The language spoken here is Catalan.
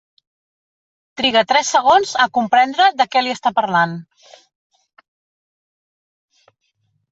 Triga tres segons a comprendre de què li està parlant.